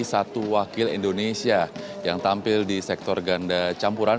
satu wakil indonesia yang tampil di sektor ganda campuran